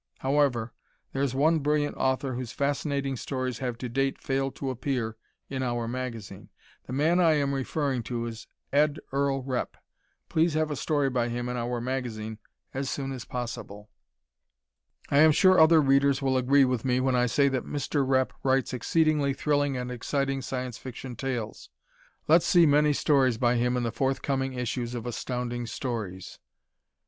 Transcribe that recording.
However, there is one brilliant author whose fascinating stories have, to date, failed to appear in our magazine. The man I am referring to is Ed Earl Repp. Please have a story by him in our magazine as soon as possible. I am sure other readers will agree with me when I say that Mr. Repp writes exceedingly thrilling and exciting Science Fiction tales. Let's see many stories by him in the forthcoming issues of Astounding Stories.